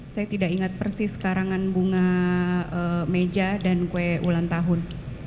saya tidak ingat persis karangan bunga meja dan kue ulang tahun